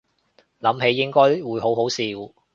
諗起應該會好好笑